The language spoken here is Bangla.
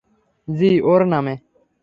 জ্বি, ওর নামে।